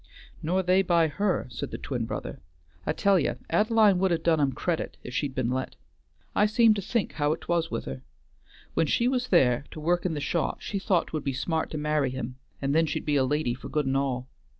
"Nor they by her," said the twin brother. "I tell ye Ad'line would have done 'em credit if she'd been let. I seem to think how't was with her; when she was there to work in the shop she thought 't would be smart to marry him and then she'd be a lady for good and all.